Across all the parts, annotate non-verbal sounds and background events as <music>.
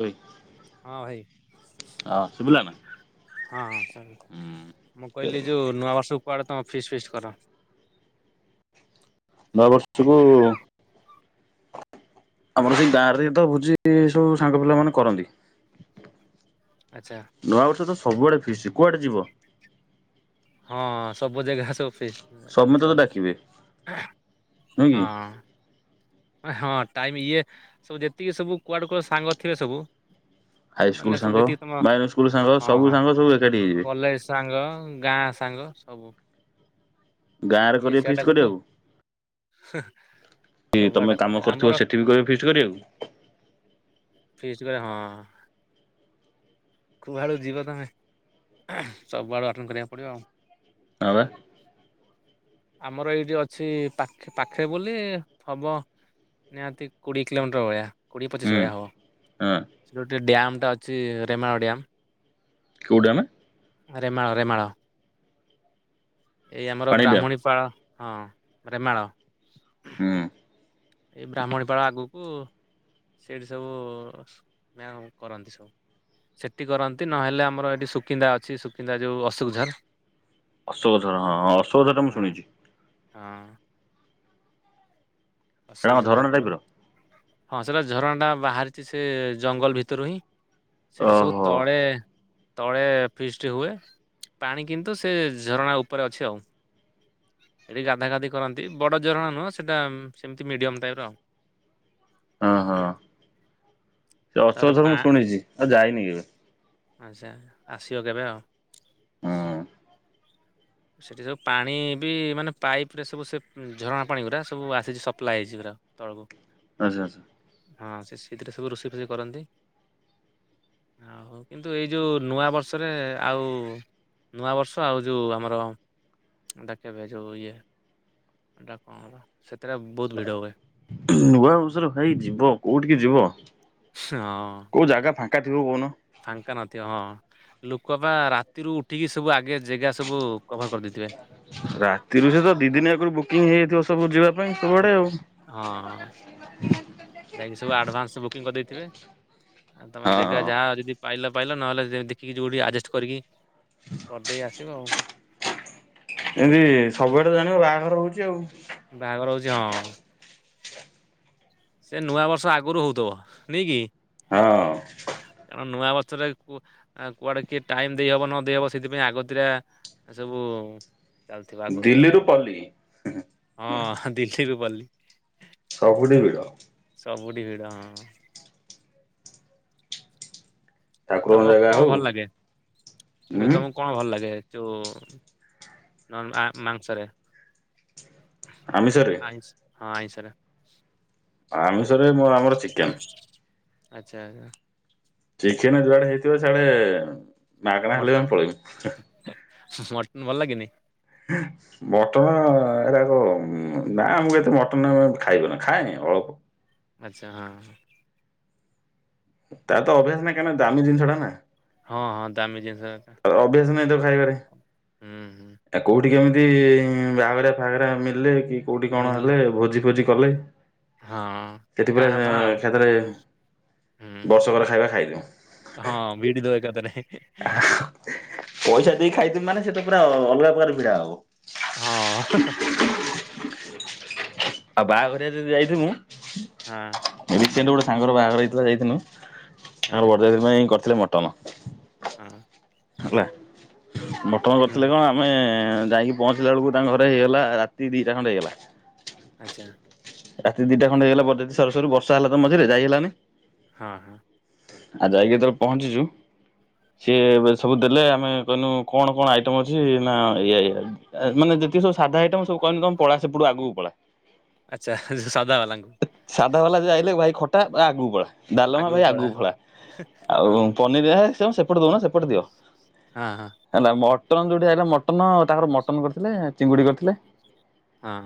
ଆ ହଁ ଭାଇ ହଁ ହ। ମୁଁ କହିଲି ହୁଁ ଯୋଉ ନୂଆ ବର୍ଷକୁ କୁଆଡେ ତମ ଫିଷ୍ଟ୍ ଫିଷ୍ଟ୍ କର? ନୂଆ ବର୍ଷକୁ <inaudible> ଆମର ସେଇ ଗାଁରେ ତ ଭୁଜି ସବୁ ସାଙ୍ଗ ପିଲା ମାନେ କରନ୍ତି। ଆଚ୍ଛା। ନୂଆବର୍ଷ ତ ସବୁଡେ ଫିଷ୍ଟ୍ କୁଆଡେ ଯିବ? ହଁ ସବୁ ଜାଗା ସବୁ ଫିଷ୍ଟ ସମସ୍ତେ ତ ଚାଲିଥିବ ଡାକିବେ ନୁହେଁ କି? ହଁ। ହଁ ଟାଇମ ଇଏ ସବୁ ଯେତିକି ସବୁ କୁଆଡେୁ କୁଆଡେ ସାଙ୍ଗ ଥିବେ ସବୁ ହାଇସ୍କୁଲ ମାନେ ସବୁ ସାଙ୍ଗ ଯେତିକି ତମ ମାଇନର ସ୍କୁଲ ସାଙ୍ଗ ହଁ ସବୁ ସାଙ୍ଗ ସବୁ ଏକାଠି ହେଇଯିବେ। କଲେଜ ସାଙ୍ଗ ଗାଁ ସାଙ୍ଗ ସବୁ ଗାଁରେ ଇଏ କରିବେ ଫିଷ୍ଟ ସେଆଟାକୁ ତ କରିବାକୁ ହ କି ତମେ କାମ କରୁଥିବ ସେଠି ବି କହ ଫିଷ୍ଟ୍ କରିବାକୁ ଫିଷ୍ଟ୍ ଗରେ ହଁ। ଖୁବ ଆଳକୁ ଯିବ ତମେ ସବୁ ଆଳୁ ଆଟେଣ୍ଡ କରିବାକୁ ପଡ଼ିବ ଆଉ। ହଁ ବା। ଆମର ଏଇଠି ଅଛି ପାଖେ ପାଖେ ବୋଲି ହବ ନିହାତି କୋଡ଼ିଏ କିଲୋମିଟର ଭଳିଆ କୋଡ଼ିଏ ପଚିଶ ହୁଁ ଭଳିଆ ହବ। ହଁ ସେ ଗୋଟେ ଡ୍ୟାମ ଟା ଅଛି ରେମାଣ ଡ୍ୟାମ କେଉଁଠି ଆମେ? ଆରେ ମାଳ ମାଳ ଏଇ ଆମର ପାଣି ଡ୍ୟାମ ବ୍ରାହ୍ମଣୀ ପାଳ। ହଁ ମାଳ ହୁଁ। ଏଇ ବ୍ରାହ୍ମଣୀ ପାାଳ ଆଗକୁ ସେଇଠି ସବୁ କରନ୍ତି ସବୁ। ସେଠି କରନ୍ତି ନହେଲେ ଆମର ଏଇଠି ସୁକିନ୍ଦା ଅଛି ସୁକିନ୍ଦା ଯେଉଁ ଅଶୋକଝର। ଅଶୋକ ଧରା ହଁ ହଁ ଅଶୋକ ଧର ଟା ମୁଁ ହଁ ଶୁଣିଛି। ହଁ। ସେଟା କଣ ଅସୁବିଝରେ ଝରଣା କରୁ ଟାଇପର ହଁ ସେଇଟା ଝରଣାଟା ବାହାରିଛି ସେ ଜଙ୍ଗଲ ଭିତରୁ ହିଁ। ସେଠି ସବୁ ଓହୋ ତଳ ବେ ତଳେ ଫିଷ୍ଟ ହୁଏ। ପାଣି କିନ୍ତୁ ସେ ଝରଣା ଉପରେ ଅଛି ଆଉ। ସେଠି ଗାଧା ଗାଧି କରନ୍ତି। ବଡ଼ଝୋରଣା ନୁହଁ ସେଟାମିତି ମିଡ଼ିୟମ୍ ଟାଇପ୍ରର ଆଉ। ହଁ ହଁ ସେ ଅଶୋକଝର ମୁଁ ତାପରେ ଶୁଣିଛି ଆଉ ଯାଇନି କେବେ। ଆଚ୍ଛା ଆସିବ କେବେ ଆଉ। ହଁ। ସେଇଠି ସବୁ ପାଣି ବି ମାନେ ପାଇପ୍ରରେ ସବୁ ସେ ଝରଣା ପାଣି ପୁରା ସବୁ ଆସିଛି ସପ୍ଲାଏ ହେଇଛି ପୁରା। ତଳକୁ ଆଚ୍ଛା ଆଚ୍ଛା। ହଁ ସେ ସେଥିରେ ସବୁ ରୋଷେଇ ଫୋଷେଇ କରନ୍ତି। ଆଉ ହଉ କିନ୍ତୁ ଏଇ ଯୋଉ ନୂଆ ବର୍ଷରେ ଆଉ ନୂଆ ବର୍ଷ ଆଉ ଯୋଉ ଆମ ଆର ଡାକବେଜ ଇଏ ଏଟା କର ସେଥିରେ ବହୁତ ଭିଡ଼ ହୁଏ। ନୂଆ ବର୍ଷରେ ଭାଇ ଯିବ କୋଉଠିକି ଯିବ? ହଁ। କୋଉ ଜାଗା ଫାଙ୍କା ଥିବ କହୁନ? ଫାଙ୍କା ନଥିବ ହଁ। ଲୋକପା ରାତିରୁୁ ଉଠିକି ସବୁ ଆଗେ ଜାଗା ସବୁ କଭର କରିଦେଇଥିବେ। ରାତିରୁ ସେ ତ ଦି ଦିନି ଆଗରୁ ବୁକିଂ ହେଇଯାଇଥିବ ସବୁ ଯିବା ପାଇଁ ବୁକ୍ ସବୁଆଡେ ଆଉ। ହଁ ହଁ। ଯାଇକି ସବୁ ଆଡ଼ଭାନ୍ସ ବୁକିଂ କରିଦେଇଥିବେ। ଆଉ ତୁମେ ଜାଗା ହଁ। ଯାହା ଯଦି ପାଇଲ ପାଇଲ ନହେଲେ ଦେଖିକି ଯେଉଁଠି ଆଡ଼ଜଷ୍ଟ କରିକି କରିଦେଇ ଆସିବ ଆଉ। ଏମତି ସବୁଆଡେ ତ ଜାଣିବ ବାହାଘର ହଉଛି ଆଉ। ବାହାଘର ହଉଛି ହଁ। ସେ ନୂଆବର୍ଷ ଆଗରୁ ହେଉଥିବ ନେଇହି କି? ହଁ। କାରଣ ନୂଆ ବର୍ଷରେ କୁଆଡେ କିଏ ଟାଇମ ଦେଇହବ ନ ଦେଇହବ ସେଥିପାଇଁ ଆଗତିରେ ଏସବୁ ଚାଲିଥିବା ଆଗରୁ ଦିଲ୍ଲୀରୁ ପଲ୍ଲୀ ହଁ। ଦିଥିରୁ ପଲି। ସବୁଠି ଭିଡ଼। ସବୁଠି ଭିଡ ହଁ। ଠାକୁରଙ୍କ ତମକୁ ଜାଗା କଣ ହଉ ଭଲ ଲାଗେ। ଉଁ ତମକୁ କ ଣ ଭଲ ଲାଗେ ଯେଉଁ ମାଂସରେ? ଆମିଷରେ ଆ ହଁ ଆଇଷରେ। ଆମିଷରେ ଆମର ଚିକେନ। ଆଚ୍ଛା ଆଁ ଚିକେନ ଯୁଆଡେ ହେଇଥିବ ସଆଡେ ମାଗଣା ହେଲେ ଆମେ ପଳେଇବୁ। ମଟନ୍ ଭଲ ଲାଗେନି? <inaudible> ମଟନ ଏଟାକ ନା ଆମକୁ କେତେ ମଟନ ଆମେ ଖାଇବନ ଖାଏ ଅଳପ। ଆଚ୍ଛା ହଁ। ତାର ତ ଅଭ୍ୟାସ ନାହିଁ କାହିକ ନା ଦାମୀ ଜିନିଷ ଟା ନା। ହଁ ହଁ ଦାମୀ ଜିନିଷ। ଆଉ ଅଭ୍ୟାସ ନାହିଁ ତ ଖାଇବାରେ। ହୁଁ ହୁଁ। ଆ କୋଉଠି କେମିତି ବାହାଘରିଆ ଫାଗରିଆ ମିଳିଲେ କି କୋଉଠି କଣ ମିଳିଲା ହେଲେ ଭୋଜି ଫୋଜି କଲେ ହଁ ସେଥିପୁରା କାଁ ଯା ଭାଁ ଆଉ ଏକା ଥରେ ହୁଁ ବର୍ଷକର ଖାଇବା ଖାଇଦଉ। ହଁ ବିଡ଼ି ଦଉ ଏକା ଥରେ। ପଇସା ଦେଇ ଖାଇଥମି ମାନେ ସେଟା ପୁରା ଅଲଗା ପ୍ରକାର ଭିଡା ହବ। ହଁ। <unintelligible> ଆଉ ଯଦି ବାହାଘରିଆ ଯଦି ଯାଇଥି ମୁଁ ହଁ। ଏ ରିସେଣ୍ଟ ଗୋଟେ ସାଙ୍ଗର ବାହାଘର ହେଇଥିଲା ଯାଇଥିନୁ ଆଚ୍ଛା ଆର ବରଯାତ୍ରୀ ପାଇଁ କରିଥିଲେ ମଟନ। ହଁ ହଁ। ହେଲା ମଟନ ହୁଁ କରିଥିଲେ କଣ ତମେ ଯାଇକି ପହଞ୍ଚିଲା ବେଳକୁ ତାଙ୍କ ଘରେ ହେଇଗଲା ରାତି ଦିଟା ଖଣ୍ଡେ ହେଇଗଲା। ଆଚ୍ଛା। ରାତି ଦିଟା ଖଣ୍ଡେ ହେଇଗଲା ବରଯାତ୍ରୀ ସରୁ ସରୁ ବର୍ଷା ହେଲା ତ ମଝିରେ ଯାଇ ହେଲାନି। ହଁ ହଁ। ଆଉ ଯାଇକି ଯେତେବେଳେ ପହଞ୍ଚିଛୁ ସିଏ ଏଵେ ସବୁ ଦେଲେ ଆମେ କହିନୁ କଣ କଣ ଆଇଟମ୍ ଅଛି ନା ଏଇଆ ଏଇଆ। ମାନେ ଯେତିକି ସବୁ ସାଧା ଆଇଟମ ସବୁ କହିଲୁ ତମେ ପଳା ସେପଟକୁ ଆଗକୁ ପଳା। ଆଚ୍ଛା ସେ ସାଧା ବାଲାଙ୍କୁ। ସାଧା ବାଲା ଯଉ ଆଇଲେ ଭାଇ ଖଟା ଆଗକୁ ପଳା। ଡାଲମା ଭାଇ ଆଗକୁ ପଳା। ହଁ ଆଉ ପ <unintelligible> ସେପଟେ ଦଉନ ସେପଟେ ଦିଅ। ହଁ ହଁ। ହେଲା ମଟନ ଯୋଉଠିଆ ଆଇଲା ମଟନ। ତାଙ୍କର ମଟନ କରିଥିଲେ। ଚିଙ୍ଗୁଡି କରିଥିଲେ। ହଁ।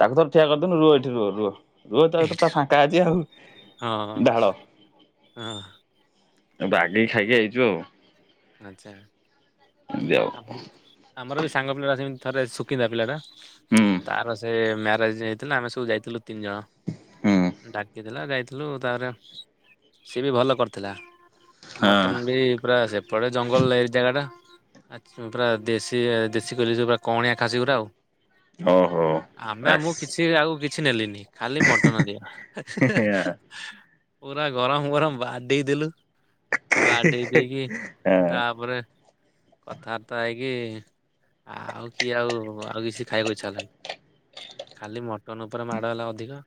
ତାଙ୍କୁ ଠିଆ କରିଦେଲୁ। ରୁହ ଏଠି ରୁହ, ରୁହ। ରୁହ ତାର ତ ଏଇଠି ପୁରା ଫାଙ୍କା ଅଛି ହଁ ଆଉ। ଢାଳ। ହଁ ବାଗେଇକି ଖାଇକି ଆଇଛୁ ଆଉ। ଆଚ୍ଛା। <unintelligible> ଆମର ବି ସାଙ୍ଗ ପିଲା ଟା ସେମିତି ଥରେ ଶୁକିନ୍ଦା ପିଲାଟା। ହୁଁ ତାର ସେ ମ୍ୟାରେଜ ହେ ଇ ଥିଲା ଆମେ ସବୁ ଯାଇଥିଲୁ ତିନି ହୁଁ ଜଣ। ଡାକି ଥିଲା ଯାଇଥିଲୁ। ତାପରେ ସିଏ ବି ଭଲ କରିଥିଲା। ହଁ ମଟନ ବି ପୁରା ସେପଟେ ଜଙ୍ଗଲ <unintelligible> ଜାଗା ଟା। ଆଚ୍ଛା ପୁରା ଦେଶୀ ଦେଶୀ କହିଲି ଯ ପୁରା କଅଣିଆ ଖାସି ଗୁରା ଆଉ। ଓହୋ ଆମେ ମୁଁ ଆସ୍ କିଛି ଆଉ କିଛି କିଛି ନେଲିନି। ଖାଲି ମଟନ ଦିଅ। ପୁରା ଗରମ, ଗରମ ବାଡେଇ ଦେଲୁ। ବାଡେଇ ଦେଇକି ହଁ। ତାପରେ କଥାବାର୍ତ୍ତା ହେଇକି, ଆଉ କିଏ ଆଉ ଆଉ କିଛି ଖାଇବାକୁ ଇଚ୍ଛା ହେଲାନି। ଖାଲି ମଟନ ଉପରେ ମାଡ଼ ହେଲା ଅଧିକ।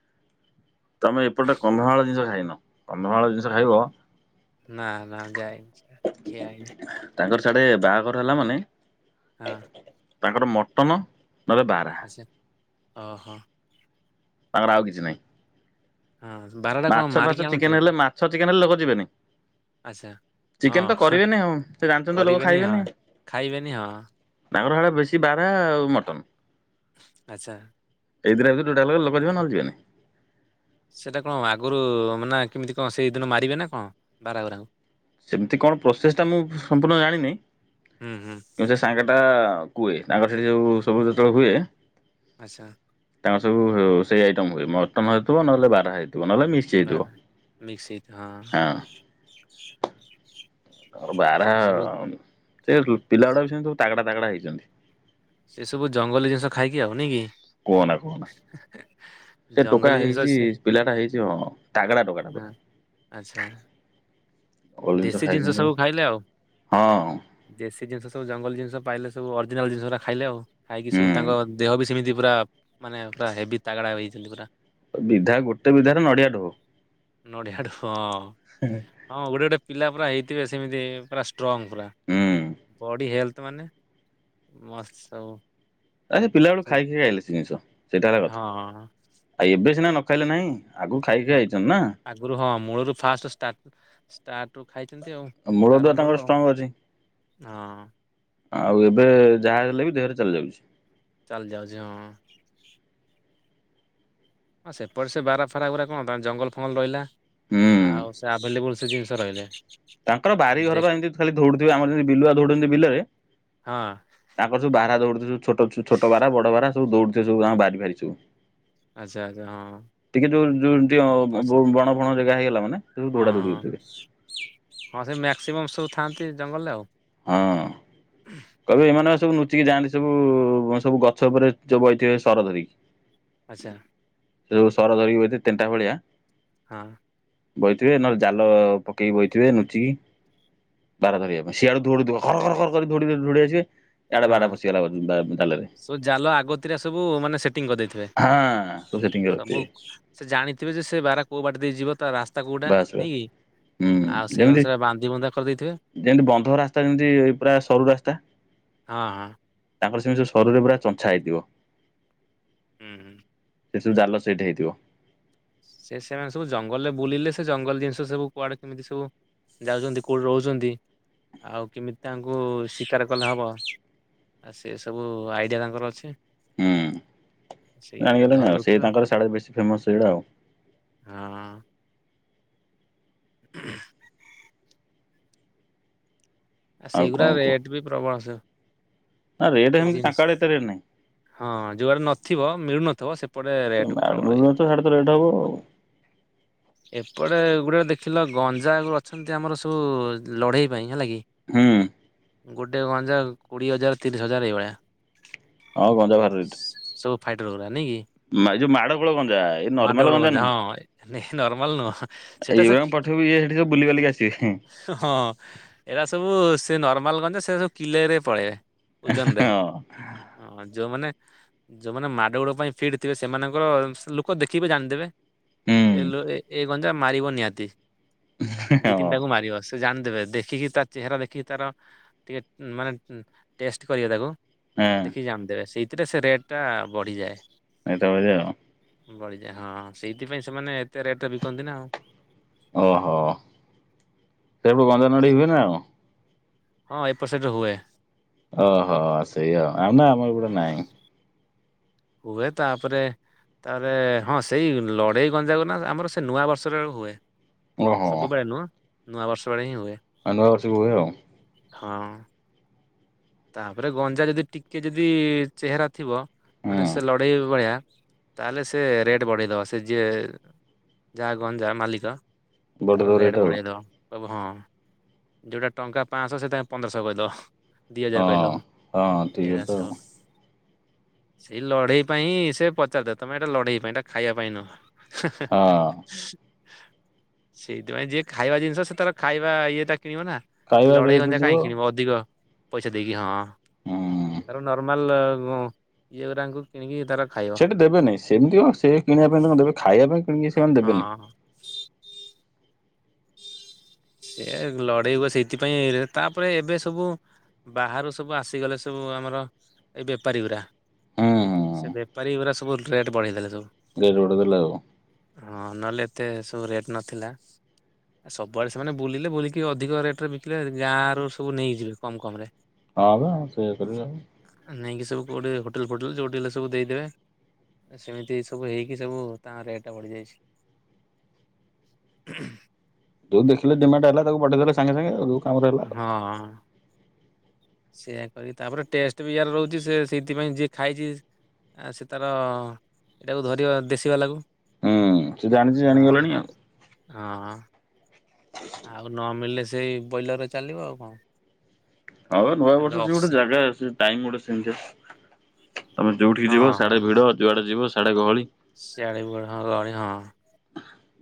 ତମେ ଏପଟେ କନ୍ଧମାଳ ଜିନିଷ ଖାଇନ। କନ୍ଧମାଳ ଜିନିଷ ଖାଇବ। ନା ନା ଯାଇନି। ଖିଆ ହେଇନି ତାଙ୍କର ସିଆଡେ ବାହାଘର ହେଲା ମାନେ ହଁ। ତାଙ୍କର ମଟନ ନହେଲେ ବାରା। ଆଚ୍ଛା ହଁ ହଁ। ତାଙ୍କର ଆଉ କିଛି ନାହିଁ। ହଁ ବାରଟା କଣ ମାଛ ମାରିକି ଫାଛ ଆଣନ୍ତି ଚିକେନ ଏକା ହେଲେ, ମାଛ, ଚିକେନ ହେଲେ ଲୋକ ଯିବେନି। ଆଚ୍ଛା। ହଁ ଚିକେନ ତ ହଁ, କରିବେନି ସେ ଜାଣିଛନ୍ତି ତ ଲୋକ କରିବେନି ହଁ ଖାଇବେନି। ଖାଇବେନି ହଁ ତାଙ୍କର ହେଡେ ବେଶୀ ବାରାହା ଆଉ ମଟନ। ଆଚ୍ଛା। ଏଇ ଦିଇଟା ଭିତରୁ ଯୋଉଟା ହେଲେ ଲୋକ ଯିବେ ନହେଲେ ଯିବେନି। ସେଇଟା କଣ ଆଗରୁ ମାନେ କେମିତି କଣ ସେଇଦିନ ମାରିବେ ନା କଣ ବାରାହା ଗୁରାଙ୍କୁ? ସେମିତି କଣ ପ୍ରୋସେସ୍ଟା ମୁଁ ସମ୍ପୂର୍ଣ୍ଣ ଜାଣିନି। ହୁଁ ହୁଁ କିନ୍ତୁ ସେ ସାଙ୍ଗ ଟା କୁହେ ତାଙ୍କର ସେଠି ଯୋଉ ସବୁ ଯେତେବେଳେ ହୁଏ। ଆଚ୍ଛା। ତାଙ୍କର ସବୁ ସେଇ ଆଇଟମ ହୁଏ ମଟନ ହେଇଥିବ ନହେଲେ ବାରାହା ହେଇଥିବ ନହେଲେ ମି ବାରାହା ମିକ୍ସ ହେଇଥି ହଁ। ସେ ବାରାହା ସବୁ ସେ ପିଲା ଗୁଡା ବି ସେ ସବୁ ତାକଡା ତାକଡା ହେଇଛନ୍ତି। ସେ ସବୁ ଜଙ୍ଗଲୀ ଜିନିଷ ଖାଇକି ଆଉ ନାଇକି। କୁହନା, କହନା। ସେ ଟୋକା ଜଙ୍ଗଲୀ ଜିନିଷ ହେଇଛି, ଅଛି ପିଲାଟା ହେଇଥିବ ତାଗଡା ଟୋକା ଟା ପୁରା। ଛାର ନା ଦେଶୀ ଜିନିଷ ସବୁ ଖାଇଲେ ଆଉ। ହଁ ଦେଶୀ ଜିନିଷ ସବୁ ଜଙ୍ଗଲ ଜିନିଷ ପାଇଲେ ସବୁ ଅରିଜିନାଲ ଜିନିଷଟା ଖାଇଲେ ଆଉ। ଖାଇକି ହୁଁ ସବୁ ତାଙ୍କ ଦେହ ବି ସେମିତି ପୁରା ମାନେ ପୁରା ହେଭି ତାଗଡ଼ା ହୋଇଛନ୍ତି ପୁରା। ବିଧା ଗୋଟେ ବିଧାରେ ନଡିଆ ଢୋ। ନଡିଆଠୁ ହଁ। ହଁ ଗୋଟେ ଗୋଟେ ପିଲା ପୁରା ହେଇଥିବେ ସେମିତି ପୁରା ଷ୍ଟ୍ର ଷ୍ଟ୍ରଙ୍ଗ୍ ପୁରା ହୁଁ। ବଡ଼ି ହେଲଥ ମାନେ ମସ୍ତ ସବୁ। ଆ ସେ ପିଲା ବେଳୁ ସବୁ ଖାଇକି ଖାଇଲେ ସେ ଜିନିଷ ସେଇଟା ହେଲା କଥା ହଁ ଆଉ ଏବେ ସିନା ନ ଖାଇଲେ ନାହିଁ। ଆକୁ ଖାଇକି ନକ ହେଇଚନ୍ତୀ ନା। ଆଗରୁ ହଁ ମୂଳରୁ ଫାଷ୍ଟ ଷ୍ଟାର୍ଟ ଷ୍ଟାର୍ଟରୁ ଖାଇଛନ୍ତି ଆଉ। ମୂଳଦୁଆ ଆରମ୍ଭରୁ ତାଙ୍କର ଆଉ ଷ୍ଟ୍ରଙ୍ଗ ଅଛି। ହଁ। ଆଉ ଏବେ ଯାହା ହେଲେ ବି ଦେହରେ ଚାଲି ଯାଉଛି। ଚାଲି ଯାଉଛି ହଁ। ହଁ ସେପଟେ ସେ ବାରାହା ଫାରା ଗୁଡ଼ା କଣ ଜଙ୍ଗଲ ଫଙ୍ଗଲ ରହିଲା ହୁଁ। ଆଉ ସେ ଆଭେଲେବୁଲ୍ ସେ ଜିନିଷ ରହିଲେ। ତାଙ୍କର ବାରି ଦେ ଘର ବା ଯେମିତି ଖାଲି ଦୌଡୁଥିବେ ଆମର ଯେମିତି ବିଲୁଆ ଧଉଡନ୍ତି ବିଲରେ ହଁ ତାଙ୍କ ସବୁ ବାରହା ଦଉଡୁଥିବେ ସବୁ ଛୋଟ ଛୋଟ ବାରହା ବଡ ବାରହା ସବୁ ଦଉଡୁଥିବେ ସବୁ ତାଙ୍କ ବାରି ଫାରି ସବୁ। ଆଚ୍ଛା ଆଚ୍ଛା ହଁ ଟିକେ ଯୋଉ ଯୋଉ ଅଛ ଟିକେ ବଣ ଫଣ ଜାଗା ହେଇଗଲା ମାନେ ସବୁ ହଁ ଦୌଡା ଦୌଡି ହଉଥିବେ ହଁ ସେ ମ୍ୟାକ୍ସିମମ୍ ସବୁ ଥାଆନ୍ତି ଜଙ୍ଗଲରେ ଆଉ। ହଁ ଉଁ ହୁ କହିବେ ଏମାନେ ସବୁ ଲୁଚିକି ଯାଆନ୍ତି ସବୁ ସବୁ ଗଛ ଉପରେ ଯୋଉ ବହିଥିବେ ସର ଧରିକି। ଆଚ୍ଛା ସେ ଯୋଉ ସର ଧରିକି ବସିଥିବେ ତେଣ୍ଟା ଭଳିଆ। ହଁ ବଇଥିବେ ନହଲେ ଜାଲ ପକେଇକି ବଇଥିବେ ଲୁଚିକି। ବାରହା ଧରିବା ପାଇଁ ସିଆଡୁ ଦୌଡୁଥିବେ ଧର ଧର କରି ଦୌଡି ଦୌଡ଼ି ଆସିବେ ସିଆଡ଼େ ହଁ। ବାରହା ପଶିଗଲା ବା ଜାଲରେ। ସବୁ ଜାଲ ଆଗତୁରା ସବୁ ମାନେ ସେଟିଂ କରିଦେଇଥିବେ ହଁ ସବୁ ସେଟିଂ ସବୁ କରିଥିବେ ସେ ଜାଣିଥିବେ ଯେ ସେ ବାରହା କୋଉ ବାଟ ଦେଇ ଯିବ ତା ରାସ୍ତା କୋଉଟା ବାସ୍ ନାଇଁ ବାସ୍। କି। ହୁଁ ଆଉ ସେଇ ଯେମିତି ଅନୁସାରେ ବାନ୍ଧି ବନ୍ଧା କରିଦେଇଥିବେ। ଯେମିତି ବନ୍ଧ ରାସ୍ତା ଯେମିତି ପୁରା ସରୁ ରାସ୍ତା ହଁ ହଁ ତାଙ୍କର ସେମତି ଯୋଉ ସରୁରେ ପୁରା ଚଞ୍ଛା ହେଇଥିବ। ହୁଁ ହୁଁ ସେ ସବୁ ଜାଲ ସେଟ ହେଇଥିବ। ସେ ସେମାନେ ସବୁ ଜଙ୍ଗଲରେ ବୁଲିଲେ ସେ ଜଙ୍ଗଲ ଜିନିଷ ସବୁ କୁଆଡେ କେମିତି ସବୁ ଯାଉଛନ୍ତି କୋଉଠି ରହୁଛନ୍ତି, ଆଉ କେମିତି ତାଙ୍କୁ ଶିକାର କଲେ ହବ? ଆଉ ସେ ସବୁ ଆଇଡ଼ିଆ ତାଙ୍କର ଅଛି। ହୁଁ ସେଇଥିରେ ଧରି ଜାଣିଗଲେଣି, ଆଉ ସେ ଦଉଥିବେ ତାଙ୍କର ସାଡୁ ବେଶୀ ଫେମସ ସେଇଆ ଆଉ। ହଁ। ଆଉ ସେଇଗୁରା କଣ କୁହ। ରେଟ୍ ବି ପ୍ରବଳ। ନା ରେଟ୍ ସେ ଏମିତି, ଜିନ୍ସ। ତାଙ୍କ ଆଡେ ଏତେ ରେଟ୍ ନାହିଁ। ହଁ ଯୁଆଡ଼େ ନଥିବ, ମିଳୁନଥିବ ସେପଟେ ରେଟ୍ ପ୍ରବଳ ହେଇଥିବ। ଭୁବନେଶ୍ୱର ସାଡେ ରେଟ୍ ହବ ଆଉ। ଏପଟେ ଗୋଟେ ଦେଖିଲ ଗଞ୍ଜା ଅଛନ୍ତି, ଆମର ସବୁ ଲଢ଼େଇ ପାଇଁ ହେଲା କି। ହୁଁ। ଗୋଟେ ଗଞ୍ଜା କୋଡ଼ିଏ ହଜାର, ତିରିଶ ହଜାର ଏଇଭଳିଆ। ହଁ ଗଞ୍ଜା ଭାରି ରେଟ୍। ସବୁ ଫାଇଟର୍ ଗୁରା ନାଇକି, ଏଇ ଯୋଉ ମାଡ ଗୋଳ ଗଞ୍ଜା ଏଇ ମାଡ ନର୍ମାଲ ଗୋଳ ଗଞ୍ଜା ନାହିଁ। ହଁ ନର୍ମାଲ ନୁହଁ ସେଟା ସର୍ ଏଇଗୁରାଙ୍କୁ କି ପଠେଇବୁ ଇଏ ସେଠି ସବୁ ବୁଲି ବାଲିକି ଆସିବେ ହଁ ଏଇଟା ସବୁ ସେ ନର୍ମାଲ ଗଞ୍ଜା, ସେ ସବୁ କିଲେରେ ପଳେଇବେ। ଓଜନରେ। ହଁ ହଁ ଯୋଉମାନେ ଯୋଉମାନେ ମାଡ଼ ଗୋଳ ପାଇଁ ଫିଟ୍ ଥିବେ, ସେମାନଙ୍କର ଲୋକ ଦେଖିକି ଜାଣିଦେବେ। ହୁଁ। ଏ ଲ ଏ ଗଞ୍ଜା ମାରିବ ନିହାତି, ଦିଇ ହଁ। ତିନିଟାକୁ ମାରିବ ସେ। ସେ ଜାଣିଦେବେ ଦେଖିକି, ତା ଚେହେରା ଦେଖିକି ତାର ଟିକେ ମାନେ ଟେଷ୍ଟ କରିବେ ତାକୁ ହଁ ଦେଖିକି ଜାଣି ଦେବେ, ସେଇଥିରେ ସେ ରେଟ୍ ଟା ବଢିଯାଏ। <unintelligible> ବଢିଯାଏ, ହଁ ସେଇଥିପାଇଁ ସେମାନେ ଏତେ ରେଟ୍ ରେ ବିକନ୍ତି ନା ଆଉ। ଓ ହୋ ସେପଟେ ଗଞ୍ଜା ନଢ଼େଇ ହୁଏ ନା ଆଉ? ହଁ ଏପଟ ସାଇଡରେ ହୁଏ। ଓ ହୋ ସେଇଆ ଆଉ, <unintelligible> ନାଇଁ ଆମର ଏପଟେ ନାଇଁ। ହୁଏ ତାପରେ ତାପରେ ହଁ ସେଇ ଲଢ଼େଇ ଗଞ୍ଜା ଗ ନା ଆମର ସେ ନୂଆ ବର୍ଷରେ ହୁଏ। ଓହୋ ସବୁବେଳେ ନୁହଁ, ନୂଆବର୍ଷ ବେଳେ ହିଁ ହୁଏ। ଆ ନୂଆବର୍ଷକୁ ହୁଏ ଆଉ। ହଁ। ତାପରେ ଗଞ୍ଜା ଯଦି ଟିକେ ଯଦି ଚେହେରା ଥିବ, ମାନେ ହୁଁ। ସେ ଲଢେଇ ଭଳିଆ ତାହେଲେ ସେ ରେଟ୍ ବଢ଼େଇଦବ, ସେ ଯିଏ ଯାହା ଗଞ୍ଜା ମାଲିକ। ବଡ଼ ତ ତାର ରେଟ୍ ଆଉ ବଢେଇ ଦବ କହିବ ହଁ, ଯୋଉଟା ଟଙ୍କା ପାଞ୍ଚଶହ ସେଇଟା ପନ୍ଦରଶହ କହିଦବ। ଦି ହଜାର ହଁ ହଁ କହିଦବ ଏ ଠିକ <unintelligible> କଥା ସ। ଆଉ ସେଇ ଲଢେଇ ପାଇଁ ସେ ପଚାରିଥିବ, ତମେ ଏଇଟା ଲଢେଇ ପାଇଁ ଏଟା ଖାଇବା ପାଇଁ ନୁହଁ। ହଁ ସେଇଥିପାଇଁ ଯିଏ ଖାଇବା, ଜିନିଷ ସେ ତାର ଖାଇବା ଇଏ ଟା କିଣିବ ନା। ଖାଇବା ଲଢେଇ ରେଟରେ ଗଞ୍ଜା ଯିବ କାହିଁ କିଣିବ, ଅଧିକ ପଇସା ଦେଇକି ହଁ, ହୁଁ ସେ ତାର ନର୍ମାଲ ଇଏ ଗୁରାଙ୍କୁ କିଣିକି ତାର ଖାଇବ ସେଇଠି ଦେବେନେଇ, ସେମିତି ହ ସେ କିଣିବା ପାଇଁ ତା ଦେବେ ଖାଇବା ପାଇଁ କିଣିକି ସେମାନେ ଦେବେନି। ହଁ। ସେ ଲଢେଇ ହୁଏ ସେଇଥିପାଇଁ, ତାପରେ ଏବେ ସବୁ ବାହାରୁ ସବୁ ଆସିଗଲେ ସବୁ, ଆମର ଏଇ ବେପାରୀ ଗୁରା। ହୁଁ ହୁଁ ସେ ବେପାରୀ ଗୁରା ସବୁ ରେଟ୍ ବଢେଇ ଦେଲେ ସବୁ। ରେଟ୍ ଦେଲେ ଆଉ। ହଁ ନହେଲେ ଏତେ ସବୁ ରେଟ୍ ନଥିଲା। ଆ ସବୁଆଡେ ସେମାନେ ବୁଲିଲେ, ବୁଲିକି ଅଧିକ ରେଟରେ ବିକିଲେ। ଗାଁରୁ ସବୁ ନେଇଯିବେ କମ୍ କମ୍ ରେ। ହଁ ବା ସେୟା କରିବେ ଆଉ। ନେଇକି ସବୁ କୋଉଠି ହୋଟେଲ ଫୋଟେଲ ଯୋଉଠି ହେଲେ ସବୁ ଦେଇଦେବେ। ସେମିତି ସବୁ ହେଇକି ସବୁ ତା ରେଟେ ବଢ଼ିଯାଇଚି। <inaudible> ଯଉ ଦେଖିଲେ ଡିମାଣ୍ଡ୍ ହେଲା ତାକୁ ପଠେଇ ଦେଲେ ସାଙ୍ଗେ ସାଙ୍ଗେ ଆଉ। କାମରେ ହେଲା ଆଉ ହଁ। ସେଇଆ କରି ତାପରେ ଟେଷ୍ଟ୍ ବି ୟାର ରହୁଚି ସେ- ସେଇଥିପାଇଁ ଯିଏ ଖାଇଚି ଆ- ସେ ତାର ଏଟାକୁ ଧରିବ ଦେଶୀ ବାଲାକୁ। ହୁଁ ସେ ଜାଣିଛି ହଁ- ଜାଣିଗଲାଣି ଆଉ ହଁ। ଆଉ ନ ମିଳିଲେ ସେଇ ବଇଲର୍ ରେ ଚାଲିବ ଆଉ କଣ। ଆଉ ଏଟା ନୂଆବର୍ଷ ସେ ଗୋଟେ ଅପ୍ସ ଜାଗା ସେ ଟାଇମ୍ ଗୋଟେ ସେମିତିଆ ତମେ ଯଉଠିକି ହଁ ଯିବ ସିଆଡେ ହଁ। ଭିଡ ଯୁଆଡ଼େ ଯିବ ସିଆଡେ ଗହଳି। ସିଆଡେ ବୁ-ହଁ ଗହଳି ହଁ।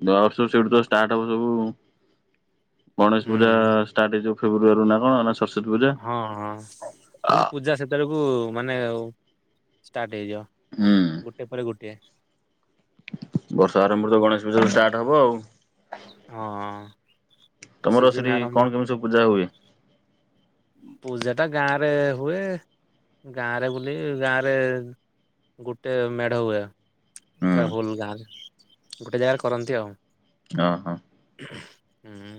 ଦଶ ସେଠୁ ତ ଷ୍ଟାର୍ଟ ହବ ସବୁ ଗଣେଶ ପୂଜା ହୁଁ ଷ୍ଟାଟ ହେଇଯିବ ଫେବୃଆରି ରୁ ନା କଣ ନା ସରସ୍ୱତୀ ପୂଜା। ହଁ -ହଁ ଖାଲି ସ୍-ଖାଲି ପୂଜା ସେତେବେଳକୁ ମାନେ ଉ- ଷ୍ଟାର୍ଟ ହେଇଯିବ। ହୁଁ ଗୋଟେ ପରେ ଗୋଟିଏ। ବର୍ଷ ଆରମ୍ଭରୁ ତ ଗଣେଶ ପୂଜା ଷ୍ଟାର୍ଟ ହବ ଆଉ। ହଁ। ତମର ସିଜିନ୍ ସେଠି ଆରମ୍ଭ କଣ କେମିତି ସବୁ ପୂଜା ହୁଏ? ପୂଜାଟା ଗାଁରେ ହୁଏ ଗାଁରେ ବୁଲି ଗାଁରେ ଗୋଟେ ମେଢ ହୁଏ। ହୁଁ ପୁରା ହୋଲ୍ ଗାଁରେ ଗୋଟେ ଜାଗାରେ କରନ୍ତି ଆଉ। ଓହୋ। ହୁଁ।